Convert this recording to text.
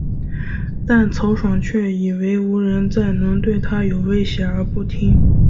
但曹爽却以为无人再能对他有威胁而不听。